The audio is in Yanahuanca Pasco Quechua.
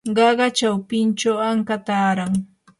qaqa chawpinchawmi anka taaran.